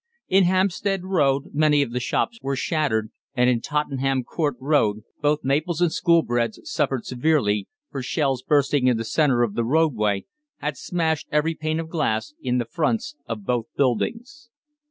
In Hampstead Road many of the shops were shattered, and in Tottenham Court Road both Maple's and Shoolbred's suffered severely, for shells bursting in the centre of the roadway had smashed every pane of glass in the fronts of both buildings.